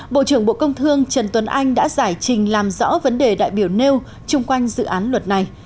bộ trưởng bộ công thương trần tuấn anh đã giải trình làm rõ vấn đề đại biểu nêu chung quanh dự án luật này